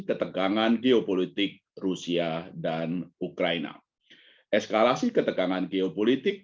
ketegangan geopolitik rusia dan ukraina eskalasi ketegangan geopolitik